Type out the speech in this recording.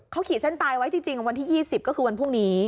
เขาขีดเส้นตายไว้จริงวันที่๒๐ก็คือวันพรุ่งนี้